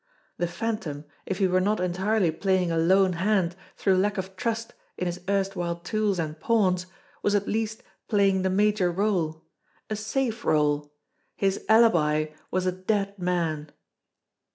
The Phantom, if he were not entirely playing a lone hand through lack of trust in his erstwhile tools and pawns, was at least playing the major role. A safe role! His alibi was a dead man!